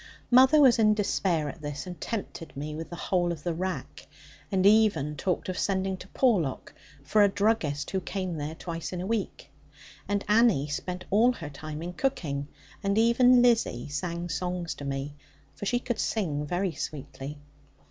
Mother was in despair at this, and tempted me with the whole of the rack, and even talked of sending to Porlock for a druggist who came there twice in a week; and Annie spent all her time in cooking, and even Lizzie sang songs to me; for she could sing very sweetly.